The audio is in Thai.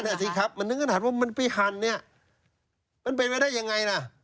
เพราะนั้นแหละสิครับมันถึงขนาดว่ามันไปหั่นเนี่ยมันเป็นไปได้ยังไงนะ